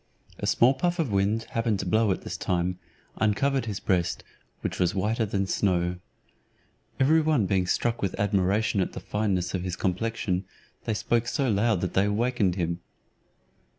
A small puff of wind happening to blow at this time, uncovered his breast, which was whiter than snow. Every one being struck with admiration at the fineness of his complexion, they spoke so loud that they awaked him.